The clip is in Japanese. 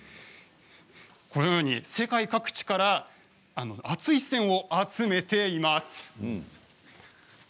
このように世界各地から熱い視線を集めています。